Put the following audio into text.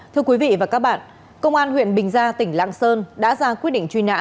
thưa quý vị và các bạn công an huyện bình gia tỉnh lạng sơn đã ra quyết định truy nã